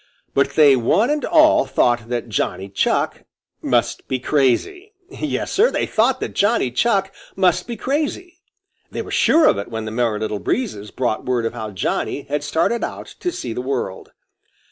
But they one and all thought that Johnny Chuck must be crazy. Yes, Sir, they thought that Johnny Chuck must be crazy. They were sure of it when the Merry Little Breezes brought word of how Johnny had started out to see the world.